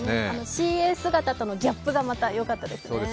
ＣＡ姿とのギャップがまたよかったですね。